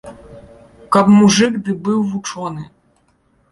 Каб мужык ды быў вучоны.